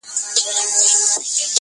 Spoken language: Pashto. خبره د عادت ده -